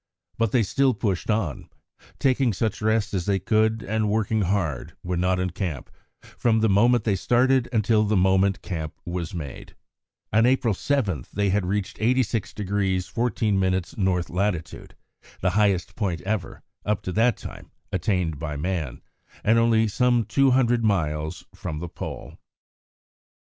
But still they pushed on, taking such rest as they could and working hard, when not in camp, from the moment they started until the moment the camp was made. On April 7 they had reached 86° 14' N. lat., the highest point ever, up to that time, attained by man, and only some two hundred miles from the Pole.